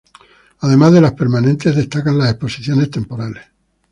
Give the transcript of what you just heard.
Además de las permanentes, destacan las exposiciones temporales.